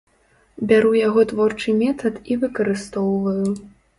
Бяру яго творчы метад і выкарыстоўваю.